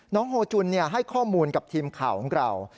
โฮจุนให้ข้อมูลกับทีมข่าวของเรา